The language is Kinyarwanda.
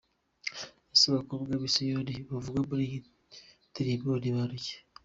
Ese Abakobwa b’i Siyoni bavugwa muri iyi ndirimbo ni bantu ki? .